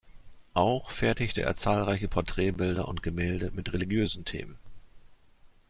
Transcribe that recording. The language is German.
Auch fertigte er zahlreiche Porträtbilder und Gemälde mit religiösen Themen.